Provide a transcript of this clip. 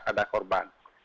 tidak ada korban